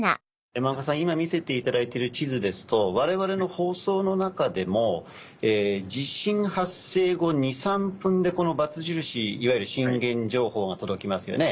今見せていただいてる地図ですと我々の放送の中でも地震発生後２３分でこの×印いわゆる震源情報が届きますよね